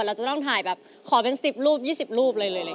เราจะต้องถ่ายแบบขอเป็น๑๐รูป๒๐รูปเลย